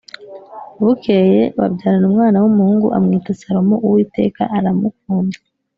Bukeye babyarana umwana w’umuhungu amwita Salomo, Uwiteka aramukunda